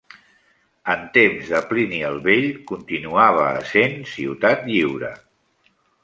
En temps de Plini el Vell continuava essent ciutat lliure.